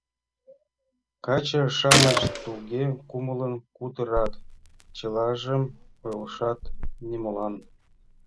Каче-шамыч туге кумылын кутырат — чылажым ойлашат нимолан.